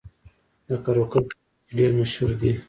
د قره قل پوستکي ډیر مشهور دي